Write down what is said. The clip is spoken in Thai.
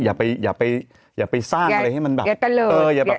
อย่าไปสร้างอะไรให้มันแบบ